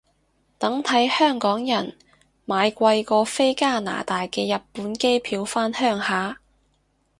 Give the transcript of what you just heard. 等睇香港人買貴過飛加拿大嘅日本機票返鄉下